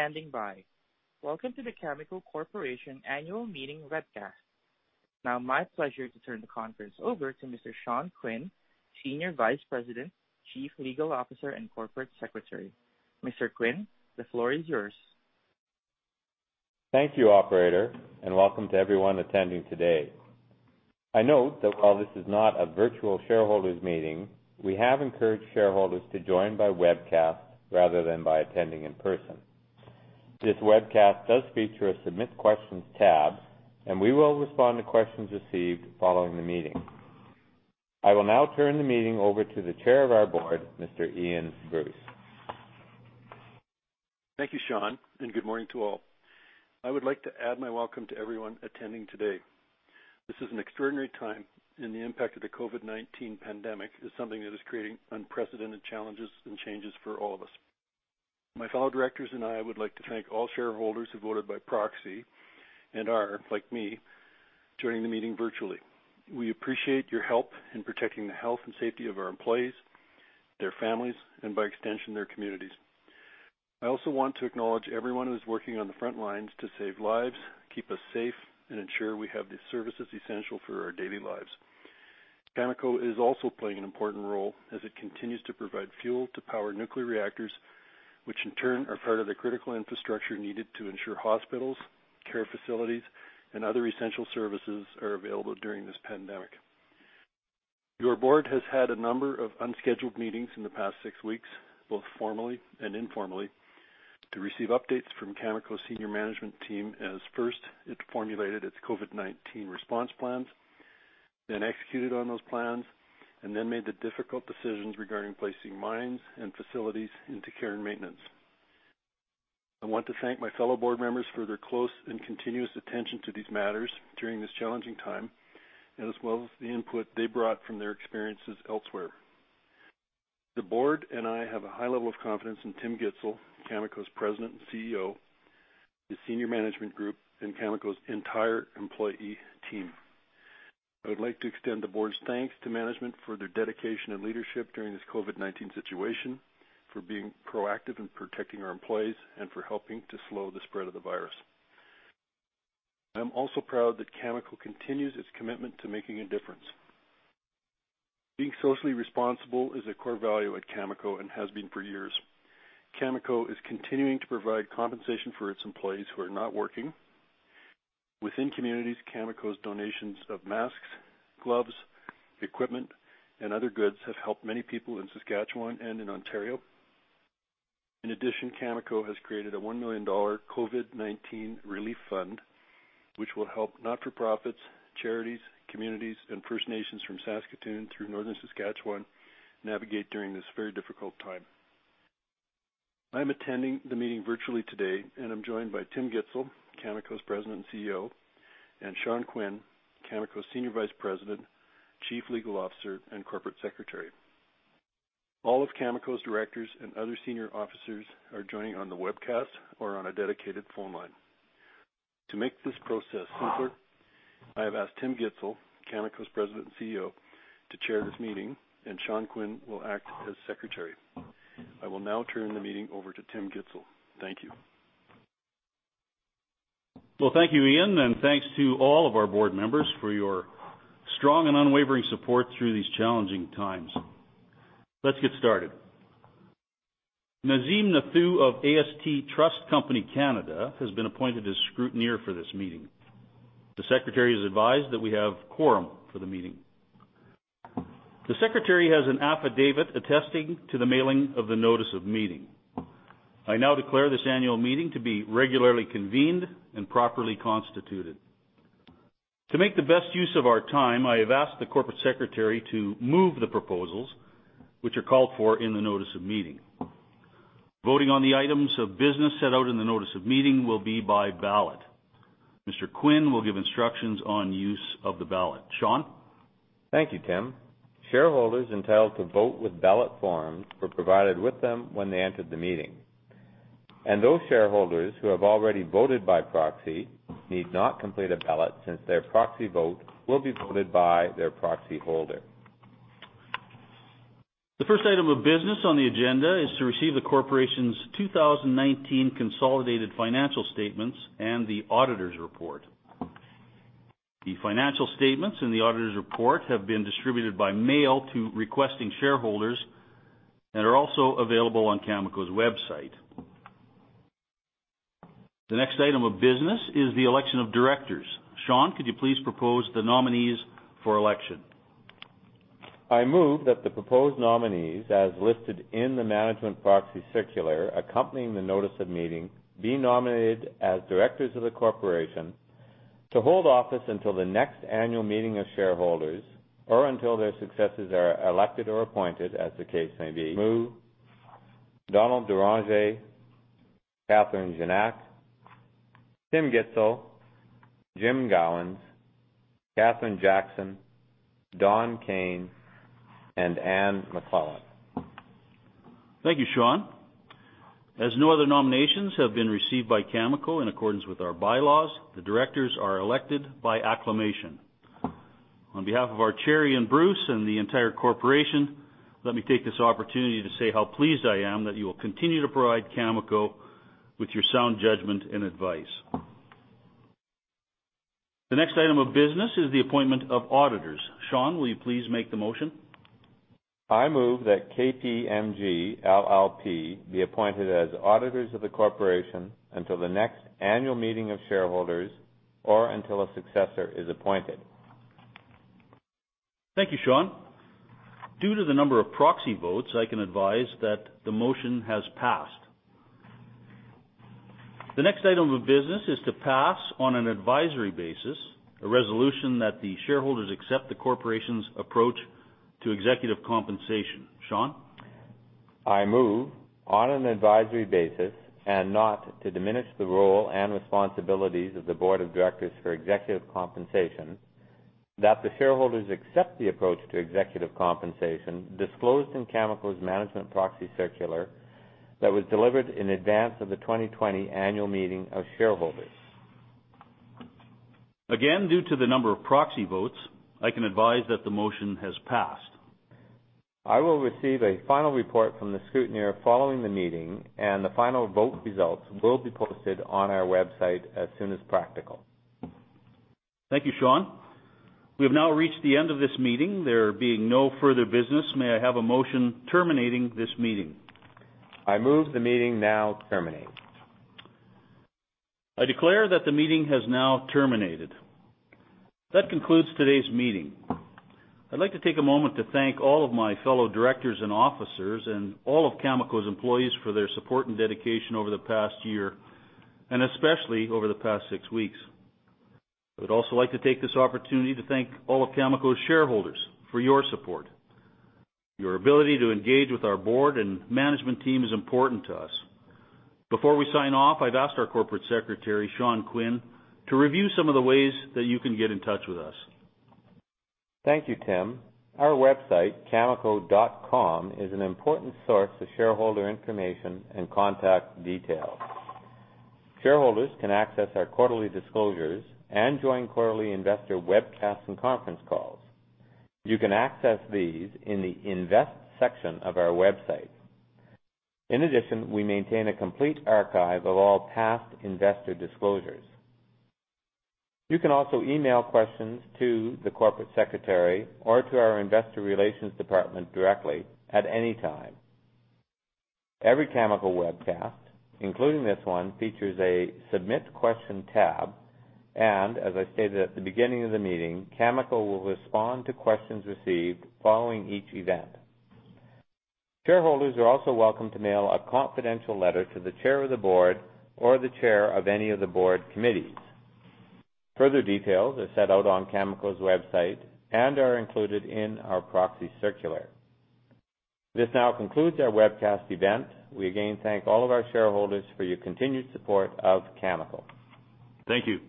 Thank you for standing by. Welcome to the Cameco Corporation Annual Meeting webcast. Now my pleasure to turn the conference over to Mr. Sean Quinn, Senior Vice President, Chief Legal Officer, and Corporate Secretary. Mr. Quinn, the floor is yours. Thank you, operator, and welcome to everyone attending today. I note that while this is not a virtual shareholders' meeting, we have encouraged shareholders to join by webcast rather than by attending in person. This webcast does feature a Submit Questions tab, and we will respond to questions received following the meeting. I will now turn the meeting over to the chair of our board, Mr. Ian Bruce. Thank you, Sean. Good morning to all. I would like to add my welcome to everyone attending today. This is an extraordinary time. The impact of the COVID-19 pandemic is something that is creating unprecedented challenges and changes for all of us. My fellow directors and I would like to thank all shareholders who voted by proxy and are, like me, joining the meeting virtually. We appreciate your help in protecting the health and safety of our employees, their families, and by extension, their communities. I also want to acknowledge everyone who's working on the front lines to save lives, keep us safe, and ensure we have the services essential for our daily lives. Cameco is also playing an important role as it continues to provide fuel to power nuclear reactors, which in turn are part of the critical infrastructure needed to ensure hospitals, care facilities, and other essential services are available during this pandemic. Your board has had a number of unscheduled meetings in the past six weeks, both formally and informally, to receive updates from Cameco senior management team as first it formulated its COVID-19 response plans, then executed on those plans, and then made the difficult decisions regarding placing mines and facilities into care and maintenance. I want to thank my fellow board members for their close and continuous attention to these matters during this challenging time, and as well as the input they brought from their experiences elsewhere. The board and I have a high level of confidence in Tim Gitzel, Cameco's President and CEO, the senior management group, and Cameco's entire employee team. I would like to extend the board's thanks to management for their dedication and leadership during this COVID-19 situation, for being proactive in protecting our employees, and for helping to slow the spread of the virus. I'm also proud that Cameco continues its commitment to making a difference. Being socially responsible is a core value at Cameco and has been for years. Cameco is continuing to provide compensation for its employees who are not working. Within communities, Cameco's donations of masks, gloves, equipment, and other goods have helped many people in Saskatchewan and in Ontario. In addition, Cameco has created a 1 million dollar COVID-19 relief fund, which will help not-for-profits, charities, communities, and First Nations from Saskatoon through northern Saskatchewan navigate during this very difficult time. I'm attending the meeting virtually today, and I'm joined by Tim Gitzel, Cameco's President and CEO, and Sean Quinn, Cameco's Senior Vice President, Chief Legal Officer, and Corporate Secretary. All of Cameco's directors and other senior officers are joining on the webcast or on a dedicated phone line. To make this process simpler, I have asked Tim Gitzel, Cameco's President and CEO, to chair this meeting, and Sean Quinn will act as secretary. I will now turn the meeting over to Tim Gitzel. Thank you. Well, thank you, Ian, and thanks to all of our board members for your strong and unwavering support through these challenging times. Let's get started. Nazim Nathoo of AST Trust Company Canada has been appointed as scrutineer for this meeting. The secretary is advised that we have quorum for the meeting. The secretary has an affidavit attesting to the mailing of the notice of meeting. I now declare this annual meeting to be regularly convened and properly constituted. To make the best use of our time, I have asked the corporate secretary to move the proposals which are called for in the notice of meeting. Voting on the items of business set out in the notice of meeting will be by ballot. Mr. Quinn will give instructions on use of the ballot. Sean? Thank you, Tim. Shareholders entitled to vote with ballot forms were provided with them when they entered the meeting, and those shareholders who have already voted by proxy need not complete a ballot since their proxy vote will be voted by their proxy holder. The first item of business on the agenda is to receive the corporation's 2019 consolidated financial statements and the auditor's report. The financial statements and the auditor's report have been distributed by mail to requesting shareholders and are also available on Cameco's website. The next item of business is the election of directors. Sean, could you please propose the nominees for election? I move that the proposed nominees, as listed in the management proxy circular accompanying the notice of meeting, be nominated as directors of the corporation to hold office until the next annual meeting of shareholders or until their successors are elected or appointed as the case may be. Move Donald Deranger, Catherine Gignac, Tim Gitzel, Jim Gowans, Kathryn Jackson, Don Kayne, and Anne McLellan. Thank you, Sean. As no other nominations have been received by Cameco in accordance with our bylaws, the directors are elected by acclamation. On behalf of our chair Ian Bruce and the entire corporation, let me take this opportunity to say how pleased I am that you will continue to provide Cameco with your sound judgment and advice. The next item of business is the appointment of auditors. Sean, will you please make the motion? I move that KPMG LLP be appointed as auditors of the corporation until the next annual meeting of shareholders or until a successor is appointed. Thank you, Sean. Due to the number of proxy votes, I can advise that the motion has passed. The next item of business is to pass on an advisory basis a resolution that the shareholders accept the Corporation's approach to executive compensation. Sean? I move, on an advisory basis, and not to diminish the role and responsibilities of the board of directors for executive compensation, that the shareholders accept the approach to executive compensation disclosed in Cameco's management proxy circular that was delivered in advance of the 2020 annual meeting of shareholders. Due to the number of proxy votes, I can advise that the motion has passed. I will receive a final report from the scrutineer following the meeting, and the final vote results will be posted on our website as soon as practical. Thank you, Sean. We have now reached the end of this meeting. There being no further business, may I have a motion terminating this meeting? I move the meeting now terminated. I declare that the meeting has now terminated. That concludes today's meeting. I'd like to take a moment to thank all of my fellow directors and officers and all of Cameco's employees for their support and dedication over the past year, and especially over the past six weeks. I would also like to take this opportunity to thank all of Cameco's shareholders for your support. Your ability to engage with our board and management team is important to us. Before we sign off, I've asked our Corporate Secretary, Sean Quinn, to review some of the ways that you can get in touch with us. Thank you, Tim. Our website, cameco.com, is an important source of shareholder information and contact details. Shareholders can access our quarterly disclosures and join quarterly investor webcasts and conference calls. You can access these in the Invest section of our website. In addition, we maintain a complete archive of all past investor disclosures. You can also email questions to the corporate secretary or to our investor relations department directly at any time. Every Cameco webcast, including this one, features a Submit Question tab. As I stated at the beginning of the meeting, Cameco will respond to questions received following each event. Shareholders are also welcome to mail a confidential letter to the chair of the board or the chair of any of the board committees. Further details are set out on Cameco's website and are included in our proxy circular. This now concludes our webcast event. We again thank all of our shareholders for your continued support of Cameco. Thank you.